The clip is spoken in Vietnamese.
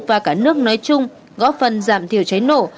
và cả nước nói chung góp phần giảm thiểu cháy nổ